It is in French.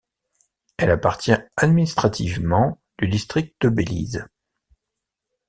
Elle appartient administrativement du District de Belize.